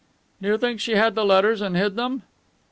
"Do you think she had the letters and hid them?"